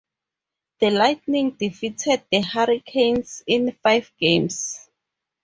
The Lightning defeated the Hurricanes in five games.